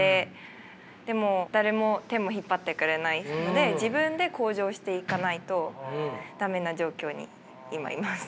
でも誰も手も引っ張ってくれないので自分で向上していかないと駄目な状況に今います。